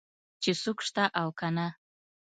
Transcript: چې څوک شته او که نه.